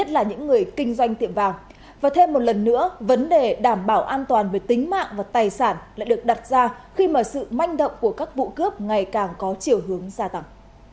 là những người kinh doanh tiệm vàng và thêm một lần nữa vấn đề đảm bảo an toàn về tính mạng và tài sản lại được đặt ra khi mà sự manh động của các vụ cướp ngày càng có chiều hướng gia tăng